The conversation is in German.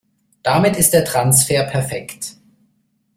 Damit ist der Transfer perfekt.